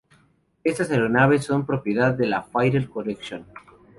Estas aeronaves son propiedad de la La Fighter Collection.